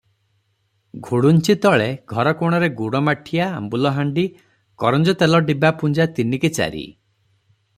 ଘୁଡୁଞ୍ଚି ତଳେ, ଘରକୋଣରେ ଗୁଡ଼ମାଠିଆ ଆମ୍ବୁଲ ହାଣ୍ତି, କରଞ୍ଜତେଲ ଡିବା ପୁଞ୍ଜା ତିନି କି ଚାରି ।